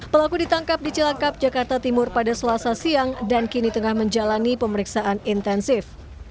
pelaku ditangkap di cilangkap jakarta timur pada selasa siang dan kini tengah menjalani pemeriksaan intensif